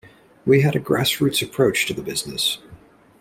We had a grassroots approach to the business.